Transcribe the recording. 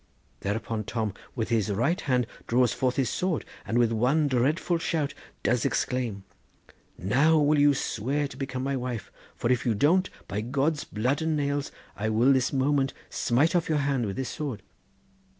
Thereupon Tom with his right hand draws forth his sword, and with one dreadful shout does exclaim: 'Now will you swear to become my wife, for if you don't, by God's blood and nails, I will this moment smite off your hand with this sword.